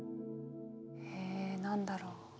え何だろう。